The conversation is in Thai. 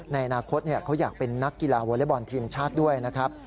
ในอนาคตเขาอยากเป็นนักกีฬาวอเล็กบอลทีมชาติด้วยนะครับ